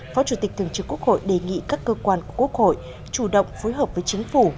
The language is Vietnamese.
phó chủ tịch thường trực quốc hội đề nghị các cơ quan của quốc hội chủ động phối hợp với chính phủ